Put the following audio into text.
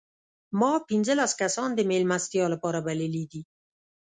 ما پنځلس کسان د مېلمستیا لپاره بللي دي.